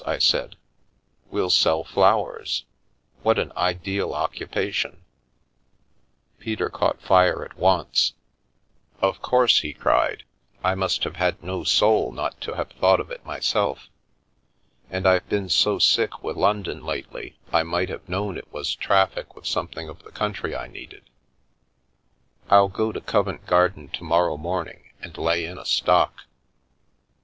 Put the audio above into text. " I said, " we'll sell flowers. What an ideal occupation !" Peter caught fire at once. The Milky Way " Of course !" he cried, " I must have had no soul not to have thought of it myself. And I've been so sick with London lately I might have known it was traffic with something of the country I needed. Ill go to Covent Garden to morrow morning and lay in a stock.